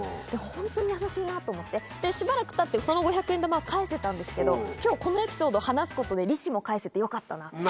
本当に優しいなと思って、しばらくたって、その五百円玉返せたんですけれども、きょう、このエピソード話すことで利子も返せてよかったなと。